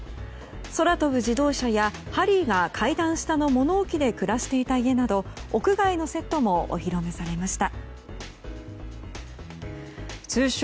空飛ぶ自動車やハリーが階段下の物置で暮らしていた家など屋外のセットもお披露目されました。